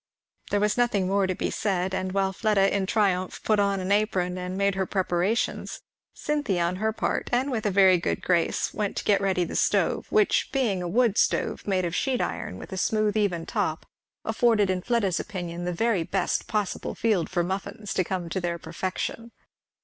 There was nothing more to be said; and while Fleda in triumph put on an apron and made her preparations, Cynthy on her part, and with a very good grace, went to get ready the stove; which being a wood stove, made of sheet iron, with a smooth even top, afforded in Fleda's opinion the very best possible field for muffins to come to their perfection.